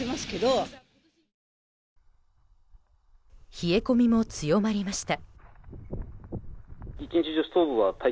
冷え込みも強まりました。